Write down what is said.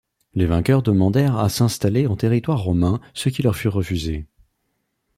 Les vainqueurs demandèrent à s'installer en territoire romain, ce qui leur fut refusé.